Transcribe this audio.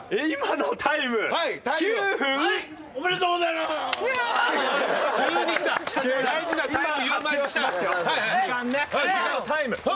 今のタイム。